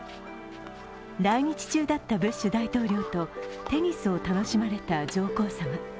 来日中だったブッシュ大統領とテニスを楽しまれた上皇さま。